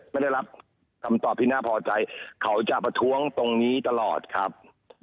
ไม่ได้รับคำตอบที่น่าพอใจเขาจะประท้วงตรงนี้ตลอดครับ